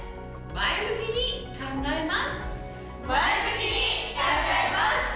前向きに考えます。